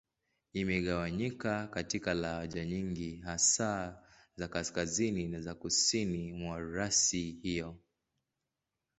Imegawanyika katika lahaja nyingi, hasa za Kaskazini na za Kusini mwa rasi hiyo.